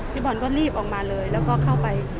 พี่บอลก็รีบออกมาเลยแล้วก็เข้าไป